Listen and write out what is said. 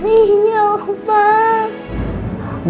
iya aku kangen